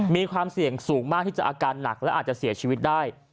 มีความเสี่ยงสูงมากที่จะอาการหนักและอาจจะเสียชีวิตได้